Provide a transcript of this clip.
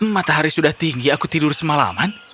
matahari sudah tinggi aku tidur semalaman